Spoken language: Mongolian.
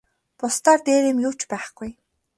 Бусдаар дээр юм юу ч байхгүй.